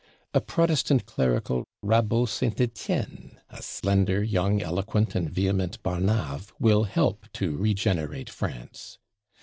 A Protestant clerical Rabaut St. Étienne, a slender young eloquent and vehement Barnave, will help to regenerate France.